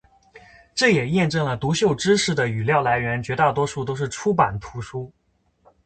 这也验证了读秀知识的语料来源绝大多数都是出版图书。